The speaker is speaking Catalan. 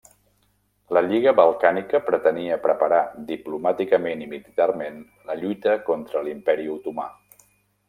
La Lliga Balcànica pretenia preparar diplomàticament i militarment la lluita contra l'Imperi Otomà.